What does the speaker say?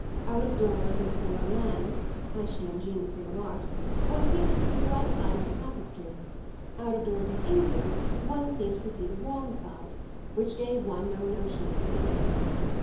Out of doors in foreign lands, as she ingeniously remarked, one seemed to see the right side of the tapestry; out of doors in England one seemed to see the wrong side, which gave one no notion of the figure.